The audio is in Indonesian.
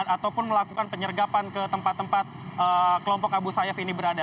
ataupun melakukan penyergapan ke tempat tempat kelompok abu sayyaf ini berada